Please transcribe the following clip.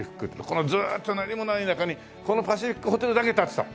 このずーっと何もない中にこのパシフィックホテルだけ立ってた。